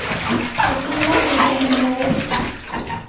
— Ысынлап әйтәһеңме ул?